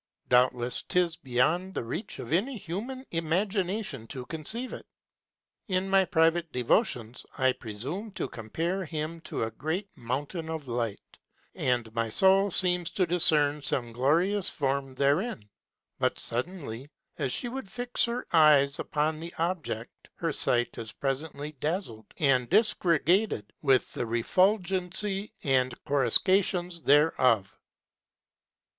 Doubtless, 'tis beyond the reach of any human im agination to conceive it : In my private devotions I presume to compare him to a great Mountain of Light, and my soul seems to discern some glorious Form therein ; but suddenly as she would fix her eyes upon the Object, her sight is presently dazled and disgregated with the refulgency and corruscations thereof.